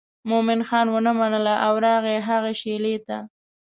مومن خان ونه منله او راغی هغې شېلې ته.